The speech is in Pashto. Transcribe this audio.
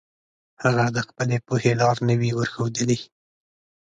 هغه د خپلې پوهې لار نه وي ورښودلي.